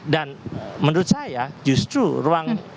dan menurut saya justru ruang